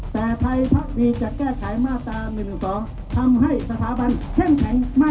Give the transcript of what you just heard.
แต่ถ่ายพักมีจะแก้ไขมาตรามือหนึ่งศองทำให้สถาบันแข็งแข่งมาก